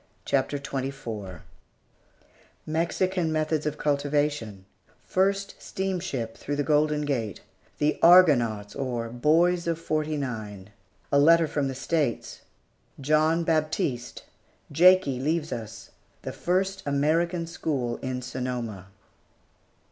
] CHAPTER XXIV MEXICAN METHODS OF CULTIVATION FIRST STEAMSHIP THROUGH THE GOLDEN GATE "THE ARGONAUTS" OR "BOYS OF '49" A LETTER FROM THE STATES JOHN BAPTISTE JAKIE LEAVES US THE FIRST AMERICAN SCHOOL IN SONOMA.